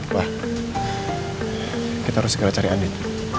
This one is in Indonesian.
wah kita harus segera cari adit